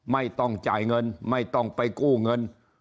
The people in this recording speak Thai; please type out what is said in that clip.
ไม่ต้องจ่ายเงินไม่ต้องไปกู้เงิน